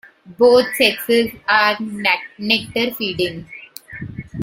Both sexes are nectar feeding.